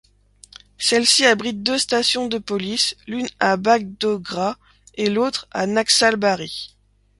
Celle-ci abrite deux stations de police, l'une à Bagdogra et l'autre à Naxalbari.